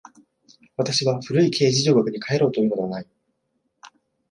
私は古い形而上学に還ろうというのではない。